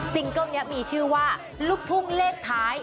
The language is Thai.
เกิ้ลนี้มีชื่อว่าลูกทุ่งเลขท้าย